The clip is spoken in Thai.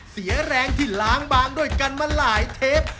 เสียแรงที่ล้างบางด้วยกันมาหลายเทป